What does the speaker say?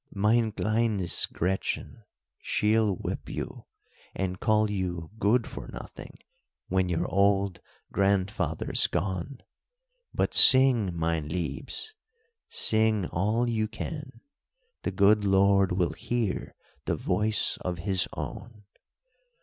"Mein kleines Gretchen, she'll whip you, and call you Good for Nothing when your old grandfather's gone; but sing, mein liebes, sing all you can; the good Lord will hear the voice of his own.